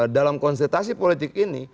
dalam konsentrasi politik ini